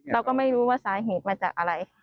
เราก็ไม่รู้ว่าสาเหตุมาจากอะไร